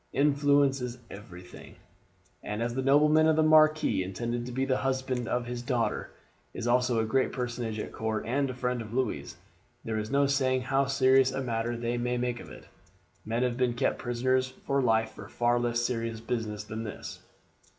Influence is everything, and as the nobleman the marquis intended to be the husband of his daughter is also a great personage at court and a friend of Louis's, there is no saying how serious a matter they may make of it. Men have been kept prisoners for life for a far less serious business than this."